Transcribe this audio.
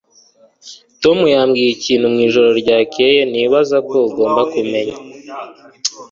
tom yambwiye ikintu mu ijoro ryakeye nibaza ko ugomba kumenya